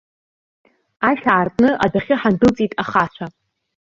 Ашә аартны адәахьы ҳандәылҵит ахацәа.